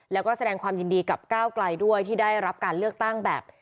แล้วก็แสดงความยินดีกับก้าวไกลด้วยที่ได้รับการเลือกตั้งแบบ